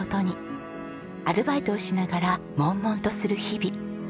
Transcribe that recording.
アルバイトをしながら悶々とする日々。